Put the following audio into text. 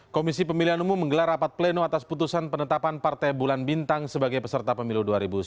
komisi pemilihan umum menggelar rapat pleno atas putusan penetapan partai bulan bintang sebagai peserta pemilu dua ribu sembilan belas